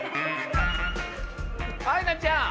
あいなちゃん